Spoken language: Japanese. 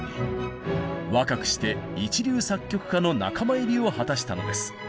若くして一流作曲家の仲間入りを果たしたのです。